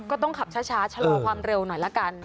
ก็ต้องขับช้าชะลอความเร็วหน่อยละกัน